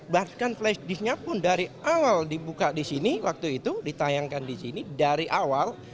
bahkan flash disknya pun dari awal dibuka di sini waktu itu ditayangkan di sini dari awal